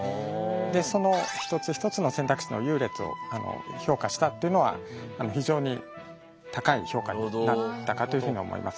でその１つ１つの選択肢の優劣を評価したっていうのは非常に高い評価になったかというふうに思います。